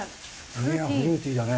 これはフルーティーだね。